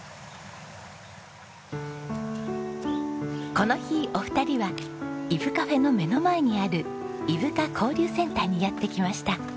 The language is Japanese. この日お二人はいぶカフェの目の前にある伊深交流センターにやって来ました。